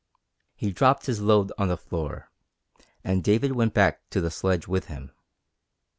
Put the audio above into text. He dropped his load on the floor, and David went back to the sledge with him.